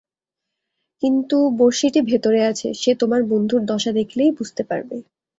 কিন্তু বঁড়শিটি ভিতরে আছে, সে তোমার বন্ধুর দশা দেখলেই বুঝতে পারবে।